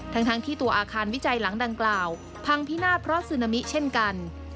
ทั้งที่ตัวอาคารวิจัยหลังดังกล่าวพังพินาศเพราะซึนามิเช่นกัน